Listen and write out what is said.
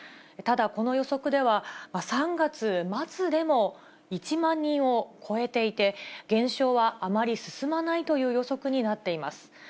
ただ、この予測では、３月末でも１万人を超えていて、減少はあまり進まないという予測になっています。